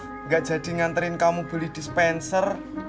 tidak jadi nganterin kamu beli dispenser